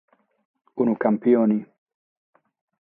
Unu campione.